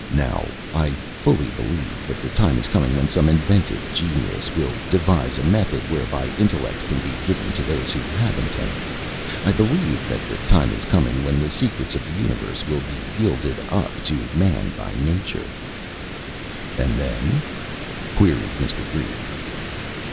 Now I fully believe that the time is coming when some inventive genius will devise a method whereby intellect can be given to those who haven't any. I believe that the time is coming when the secrets of the universe will be yielded up to man by nature." [Illustration: "DECLINES TO BE RIDDEN"] "And then?" queried Mr. Brief.